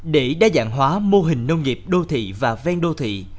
để đa dạng hóa mô hình nông nghiệp đô thị và ven đô thị